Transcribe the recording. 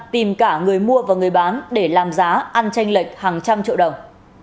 tìm cả người mua và người bán để làm giá ăn tranh lệch hàng trăm triệu đồng